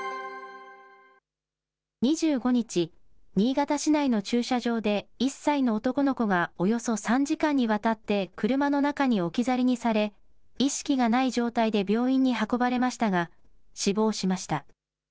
２５日、新潟市内の駐車場で１歳の男の子がおよそ３時間にわたって、車の中に置き去りにされ、意識がない状態で病院に運ばれましたが、死亡しました。